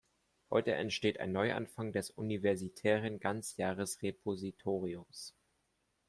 Heute entsteht ein Neuanfang des universitären Ganzjahresrepositoriums.